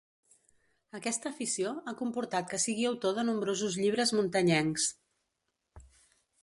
Aquesta afició ha comportat que sigui autor de nombrosos llibres muntanyencs.